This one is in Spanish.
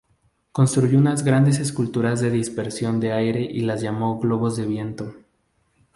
Construyó unas grandes esculturas de dispersión de aire y las llamó globos de viento.